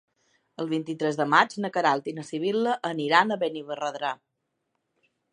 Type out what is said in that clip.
El vint-i-tres de maig na Queralt i na Sibil·la aniran a Benirredrà.